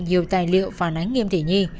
nhiều tài liệu phản ánh nghiêm thị nhi